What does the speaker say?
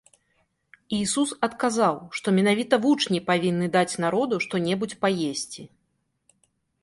Ісус адказаў, што менавіта вучні павінны даць народу што-небудзь паесці.